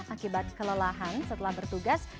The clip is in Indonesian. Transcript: akibat kelelahan setelah bertugas